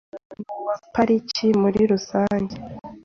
n’uwa pariki muri rusange